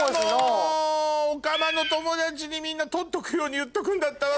おかまの友達にみんな取っとくように言っとくんだったわ！